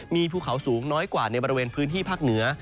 มีภูเขาสูงน้อยกว่าในบริเวณพื้นที่ภาคเหนือ